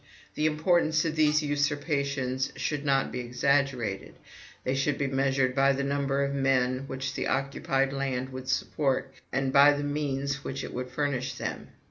"The importance of these usurpations should not be exaggerated: they should be measured by the number of men which the occupied land would support, and by the means which it would furnish them.